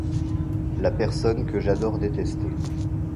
La personne que j’adore détester.